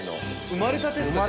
生まれたてですか？